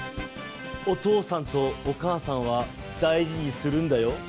お父さんとお母さんは大事にするんだよ。